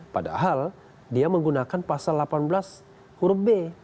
padahal dia menggunakan pasal delapan belas huruf b